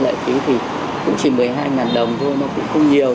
lệ phí thì cũng chỉ một mươi hai đồng thôi nó cũng không nhiều